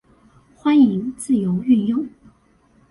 歡迎自由運用